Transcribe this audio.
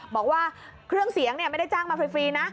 บอกว่าเครื่องเสียงไม่ได้จ้างมาฟรีนะ